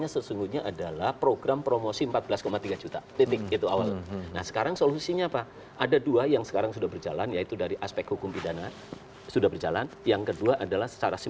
terus kalau memperangkatkan ini